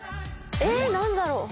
えっ何だろう。